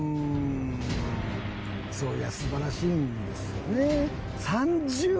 そりゃ素晴らしいんですよね。